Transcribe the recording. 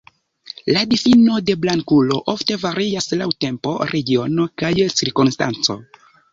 La difino de "blankulo" ofte varias laŭ tempo, regiono, kaj cirkonstanco.